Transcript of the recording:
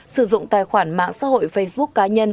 sử dụng tài khoản mạng xã hội facebook cá nhân